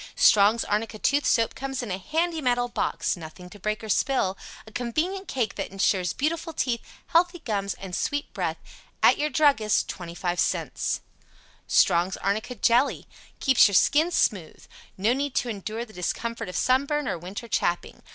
Strong's Arnica Tooth Soap comes in a handy metal box nothing to break or spill. A convenient cake that insures beautiful teeth, healthy, gums and a sweet breath. At your druggist, 25 cents. Strong's Arnica Jelly Keeps Your Skin Smooth No need to endure the discomfort of sunburn or winter chapping.